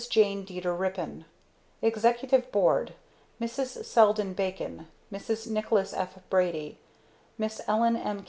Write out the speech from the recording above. JANE DEETER RIPPIN Executive Board MRS. SELDEN BACON MRS. NICHOLAS F. BRADY MISS ELLEN M.